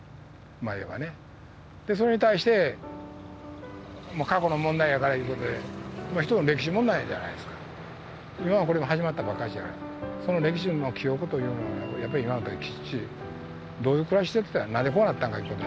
まあ言えばねでそれに対して過去の問題やからいうことでまあ一つの歴史問題じゃないですか今はこれは始まったばっかしやその歴史の記憶というのはやっぱりきっちりどういう暮らししてたんや何でこうなったんかいうこと